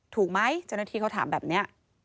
ถูกไหมเจ้าหน้าที่เขาถามแบบนี้